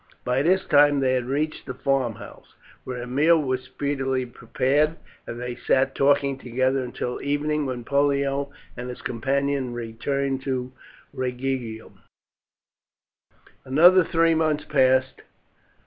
By this time they had reached the farmhouse, where a meal was speedily prepared, and they sat talking together until evening, when Pollio and his companion returned to Rhegium. Another three months passed.